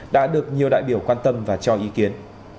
đã được nhiều đại biểu quan tâm và cho ý kiến